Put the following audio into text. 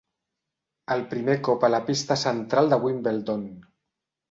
El primer cop a la pista central de Wimbledon.